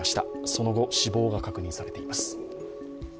その後、死亡が確認されています。